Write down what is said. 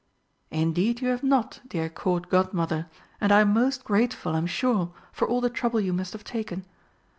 "Indeed you have not, dear Court Godmother; and I'm most grateful, I'm sure, for all the trouble you must have taken.